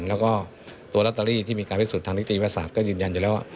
แล้วก็ตัวลอตเตอรี่ที่มีการพิสูจนทางนิติวิทยาศาสตร์ก็ยืนยันอยู่แล้วว่า